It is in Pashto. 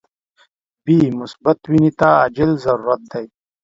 بی مثبت وینی ته عاجل ضرورت دي.